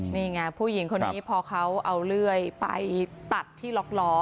นี่ไงผู้หญิงคนนี้พอเขาเอาเลื่อยไปตัดที่ล็อกล้อ